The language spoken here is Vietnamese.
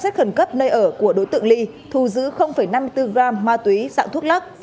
thần cấp nơi ở của đối tượng ly thu giữ năm mươi bốn g ma túy dạng thuốc lắc